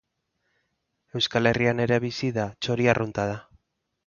Euskal Herrian ere bizi da, txori arrunta da.